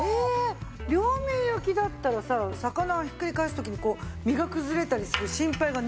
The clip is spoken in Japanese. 両面焼きだったらさ魚ひっくり返す時にこう身が崩れたりする心配がないって事でしょ。